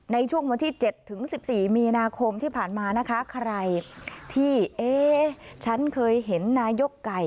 ในช่วงวันที่๗ถึง๑๔มีนาคมที่ผ่านมานะคะใครที่เอ๊ฉันเคยเห็นนายกไก่